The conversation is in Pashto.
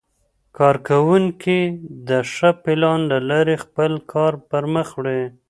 کارکوونکي د ښه پلان له لارې خپل کار پرمخ وړي